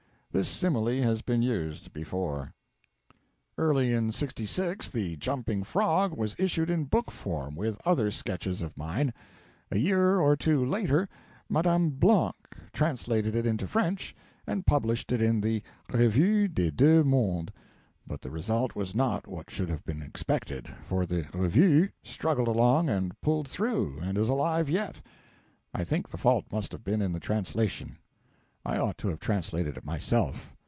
This simile has been used before. Early in '66 the 'Jumping Frog' was issued in book form, with other sketches of mine. A year or two later Madame Blanc translated it into French and published it in the 'Revue des Deux Mondes,' but the result was not what should have been expected, for the 'Revue' struggled along and pulled through, and is alive yet. I think the fault must have been in the translation. I ought to have translated it myself.